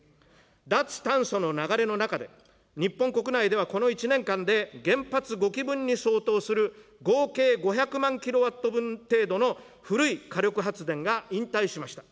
脱炭素の流れの中で、日本国内ではこの１年間で原発５基分に相当する合計５００万キロワット分程度の古い火力発電が引退しました。